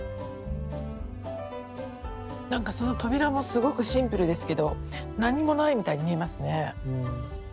何かその扉もすごくシンプルですけど何もないみたいに見えますね。